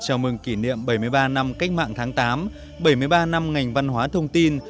chào mừng kỷ niệm bảy mươi ba năm cách mạng tháng tám bảy mươi ba năm ngành văn hóa thông tin